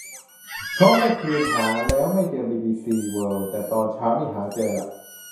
เพราะเมื่อคืนหาแล้วไม่เจอบีบีซีเวิลด์ แต่ตอนเช้านี่หาเจอละ